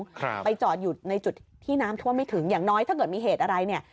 ครับไปจอดอยู่ในจุดที่น้ำท่วมไม่ถึงอย่างน้อยถ้าเกิดมีเหตุอะไรเนี่ย